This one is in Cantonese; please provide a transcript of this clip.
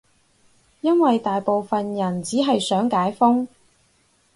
因爲大部分人只係想解封